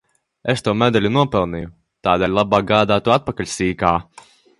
Es to medaļu nopelnīju, tādēļ labāk gādā to atpakaļ, sīkā!